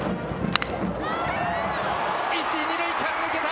一、二塁間抜けた。